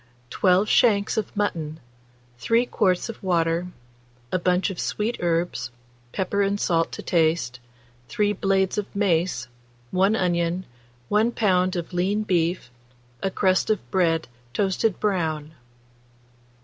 12 shanks of mutton, 3 quarts of water, a bunch of sweet herbs, pepper and salt to taste, 3 blades of mace, 1 onion, 1 lb. of lean beef, a crust of bread toasted brown.